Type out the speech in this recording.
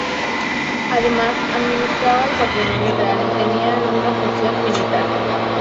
Además administraba el patrimonio real y tenía alguna función militar.